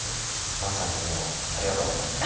まさにもうありがとうございます。